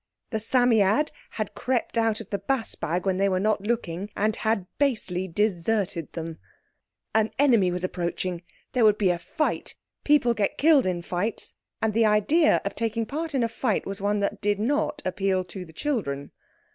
The Psammead had crept out of the bass bag when they were not looking and had basely deserted them. An enemy was approaching. There would be a fight. People get killed in fights, and the idea of taking part in a fight was one that did not appeal to the children.